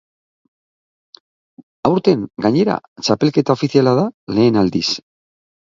Aurten, gainera, txapelketa ofiziala da lehen aldiz.